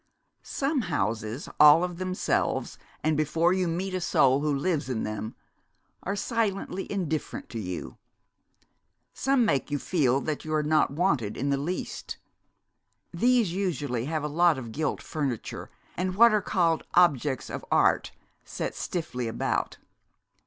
Some houses, all of themselves, and before you meet a soul who lives in them, are silently indifferent to you. Some make you feel that you are not wanted in the least; these usually have a lot of gilt furniture, and what are called objects of art set stiffly about.